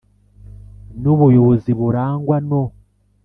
n ubuyobozi burangwa no